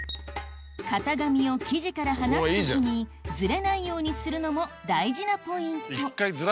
型紙を生地から離す時にズレないようにするのも大事なポイント